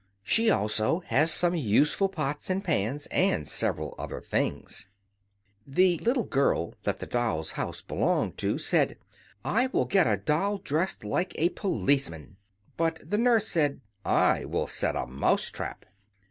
She also has some useful pots and pans, and several other things. The little girl that the doll's house belonged to, said, "I will get a doll dressed like a policeman!" But the nurse said, "I will set a mouse trap!"